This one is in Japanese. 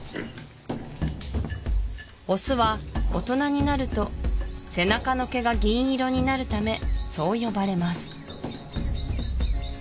オスは大人になると背中の毛が銀色になるためそう呼ばれます